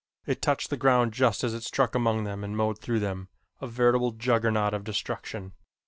It touched the ground just as it struck among them and mowed through them, a veritable juggernaut of destruction.